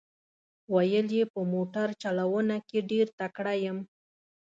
ویل یې په موټر چلونه کې ډېر تکړه یم.